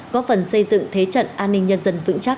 góp phần xây dựng thế trận an ninh nhân dân vững chắc